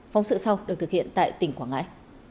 phóng sự sau được thực hiện tại tỉnh quảng ngãi